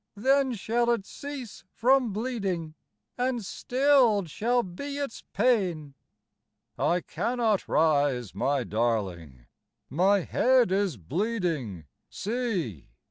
Then shall it cease from bleeding. And stilled shall be its pain." "I cannot rise, my darling, My head is bleeding see!